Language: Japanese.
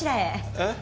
えっ？